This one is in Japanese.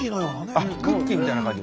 あっクッキーみたいな感じ。